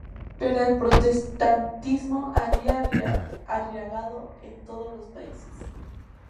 Pero el protestantismo había arraigado en todos los países.